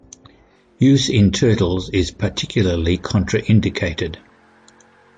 Use in turtles is particularly contraindicated.